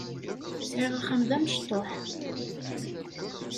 Sɛiɣ axxam d amecṭuḥ.